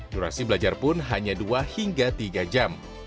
durasi belajar pun hanya dua hingga tiga jam